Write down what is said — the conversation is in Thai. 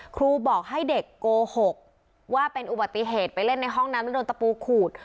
ครูบอกให้เด็กโกหกว่าเป็นอุบัติเหตุไปเล่นในห้องน้ำแล้วโดนตะปูขูด